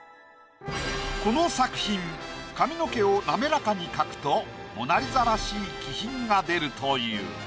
この作品髪の毛を滑らかに描くとモナリザらしい気品が出るという。